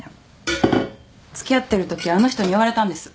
付き合ってるときあの人に言われたんです。